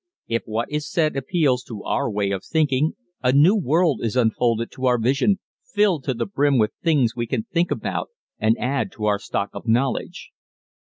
If what is said appeals to our way of thinking a new world is unfolded to our vision filled to the brim with things we can think about and add to our stock of knowledge.